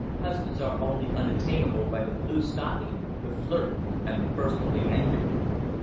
Husbands are only unattainable by the blue stocking, the flirt and the personally angular.